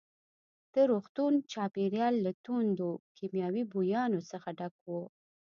د روغتون چاپېریال له توندو کیمیاوي بویانو څخه ډک وو.